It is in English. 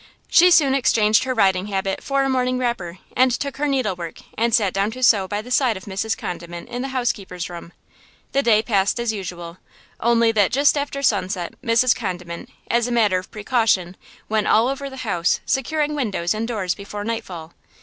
She soon exchanged her riding habit for a morning wrapper, and took her needle work and sat down to sew by the side of Mrs. Condiment in the housekeeper's room. The day passed as usual, only that just after sunset Mrs. Condiment, as a matter of precaution, went all over the house securing windows and doors before nightfall.